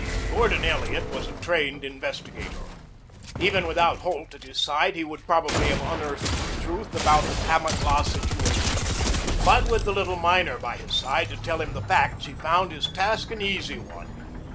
Gordon Elliot was a trained investigator. Even without Holt at his side he would probably have unearthed the truth about the Kamatlah situation. But with the little miner by his side to tell him the facts, he found his task an easy one.